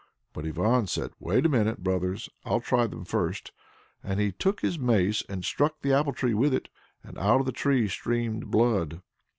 But Ivan said, "Wait a minute, brothers; I'll try them first," and he took his mace, and struck the apple tree with it. And out of the tree streamed blood.